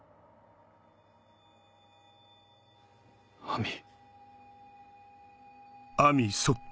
亜美。